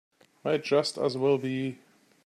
Might just as well be.